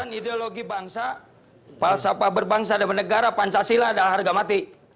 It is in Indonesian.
perusahaan ideologi bangsa palsapa berbangsa ada menegara pancasila ada harga mati